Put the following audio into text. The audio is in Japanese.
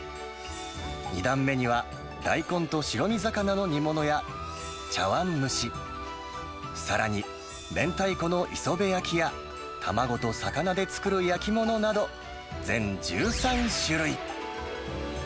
２段目には、大根と白身魚の煮物や、茶わん蒸し、さらに、明太子の磯辺焼きや、卵と魚で作る焼き物など、全１３種類。